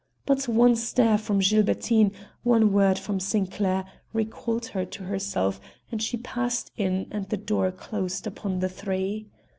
But one stare from Gilbertine, one word from Sinclair, recalled her to herself and she passed in and the door closed upon the three.